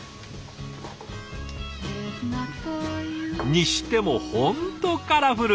にしても本当カラフル！